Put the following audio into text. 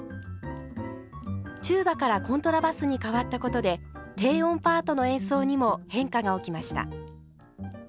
チューバからコントラバスに変わったことで低音パートの演奏にも変化が起きました。